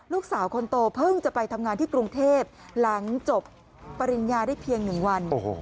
ลูกสาวคนโตเพิ่งจะไปทำงานที่กรุงเทพหลังจบปริญญาได้เพียง๑วัน